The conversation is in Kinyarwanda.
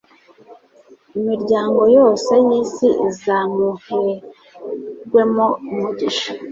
imiryango yose y'isi izamuherwemo umugisha